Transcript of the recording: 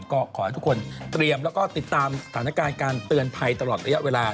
ก็ขอให้ทุกคนเตรียมแล้วก็ติดตามสถานการณ์การเตือนภัยตลอดระยะเวลา